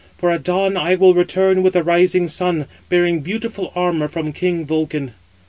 For at dawn I will return with the rising sun, bearing beautiful armour from king Vulcan."